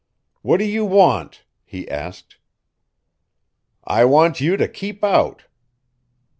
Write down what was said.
"What do you want?" he asked. "I want you to keep out."